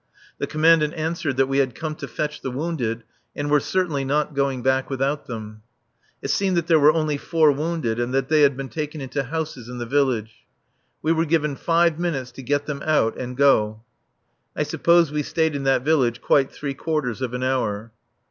The Commandant answered that we had come to fetch the wounded and were certainly not going back without them. It seemed that there were only four wounded, and they had been taken into houses in the village. We were given five minutes to get them out and go. I suppose we stayed in that village quite three quarters of an hour.